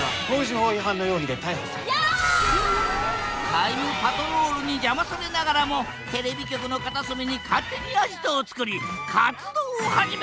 タイムパトロールに邪魔されながらもテレビ局の片隅に勝手にアジトを作り活動を始めたのだった！